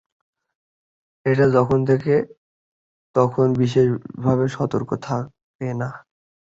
এটা যখন থাকে তখন বিশেষভাবে সতর্ক থাকে না।